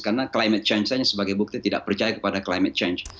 karena climate change saja sebagai bukti tidak percaya kepada climate change